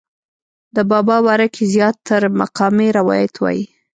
د بابا باره کښې زيات تره مقامي روايات وائي